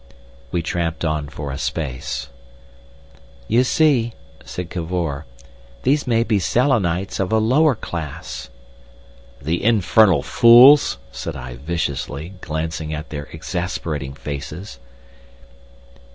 We tramped on for a space. "You see," said Cavor, "these may be Selenites of a lower class." "The infernal fools!" said I viciously, glancing at their exasperating faces.